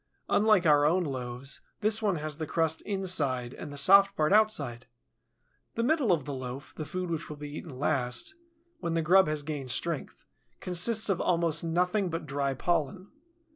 Unlike our own loaves, this one has the crust inside and the soft part outside. The middle of the loaf, the food which will be eaten last, when the grub has gained strength, consists of almost nothing but dry pollen.